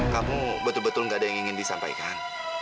kamu betul betul gak ada yang ingin disampaikan